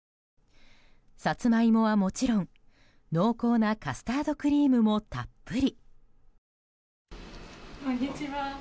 サツマイモはもちろん濃厚なカスタードクリームもたっぷり。